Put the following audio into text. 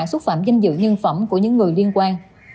xúc phạm danh dự nhân phẩm của những người liên quan